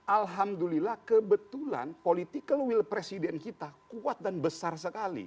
alhamdulillah kebetulan political will presiden kita kuat dan besar sekali